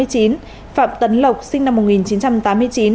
phạm tấn lộc sinh năm một nghìn chín trăm tám mươi chín